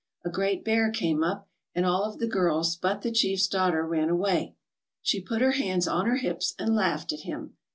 A great bear came up and all of the girls but the chiefs daughter ran away. She put her hands on her hips and laughed at him.